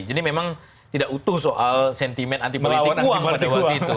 jadi memang tidak utuh soal sentimen anti politik uang pada waktu itu